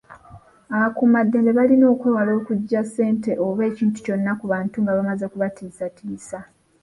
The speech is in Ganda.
Abakuumaddembe balina okwewala okuggya ssente oba ekintu kyonna ku bantu nga bamaze kubatiisatiisa.